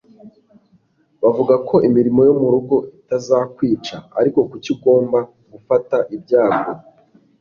bavuga ko imirimo yo mu rugo itazakwica, ariko kuki ugomba gufata ibyago